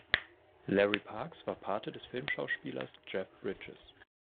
Larry Parks war Pate des Filmschauspielers Jeff Bridges.